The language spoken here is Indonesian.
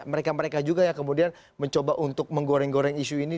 mereka mereka juga yang kemudian mencoba untuk menggoreng goreng isu ini